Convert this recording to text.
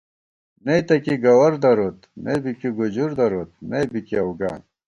نئیتہ کی گوَر دروت نئیبی کی گُجُر دروت نئیبی کی اؤگان